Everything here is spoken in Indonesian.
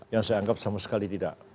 yang saya anggap sama sekali tidak